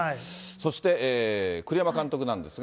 そして栗山監督なんですが。